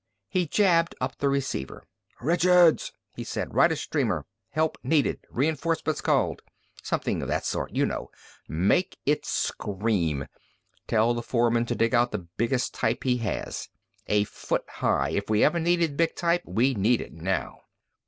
He jabbed up the receiver. "Richards," he said, "write a streamer, 'Help Needed,' 'Reinforcements Called' something of that sort, you know. Make it scream. Tell the foreman to dig out the biggest type he has. A foot high. If we ever needed big type, we need it now!"